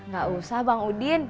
gak usah bang udin